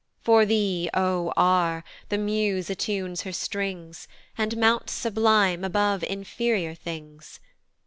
For thee, O R , the muse attunes her strings, And mounts sublime above inferior things.